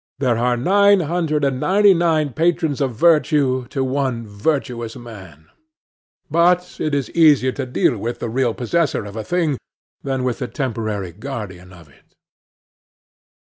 There are nine hundred and ninety nine patrons of virtue to one virtuous man; but it is easier to deal with the real possessor of a thing than with the temporary guardian of it.